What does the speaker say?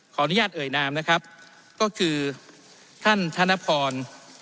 อนุญาตเอ่ยนามนะครับก็คือท่านธนพร